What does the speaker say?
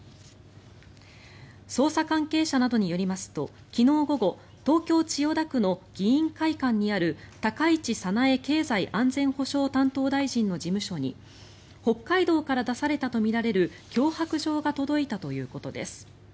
捜査関係者などによりますと昨日午後、東京・千代田区の議員会館にある高市早苗経済安全保障担当大臣の事務所に北海道から出されたとみられる脅迫状が届いたということです。